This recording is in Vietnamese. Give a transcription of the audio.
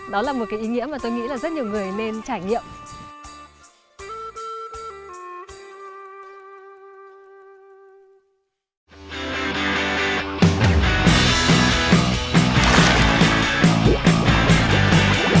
đó là một cái ý nghĩa mà tôi nghĩ là rất nhiều người nên trải nghiệm